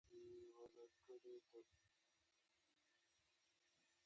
کله چې غاړې ته ولوېږي سميږي.